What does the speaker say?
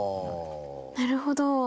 なるほど。